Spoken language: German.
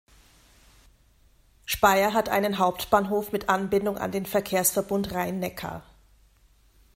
Speyer hat einen Hauptbahnhof mit Anbindung an den Verkehrsverbund Rhein-Neckar.